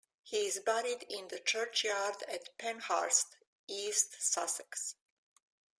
He is buried in the churchyard at Penhurst, East Sussex.